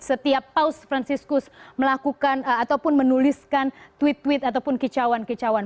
setiap paus franciscus melakukan ataupun menuliskan tweet tweet ataupun kicauan kicauan